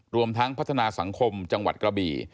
รวมทั้งพัฒนาสังคมจังหวัดกระบี่